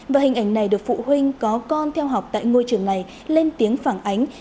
và hình ảnh này được phụ huynh có con theo học tại ngôi trường này lên tiếng phản ánh